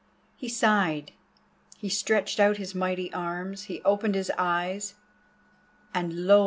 He sighed, he stretched out his mighty arms, he opened his eyes, and lo!